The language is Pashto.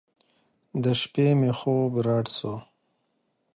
د شپې مې خوب رډ سو.